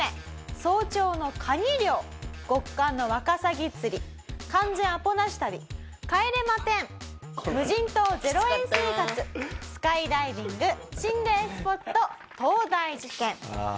早朝のカニ漁極寒のワカサギ釣り完全アポなし旅帰れま１０無人島０円生活スカイダイビング心霊スポット東大受験。